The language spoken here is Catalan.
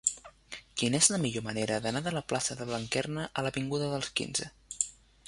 Quina és la millor manera d'anar de la plaça de Blanquerna a l'avinguda dels Quinze?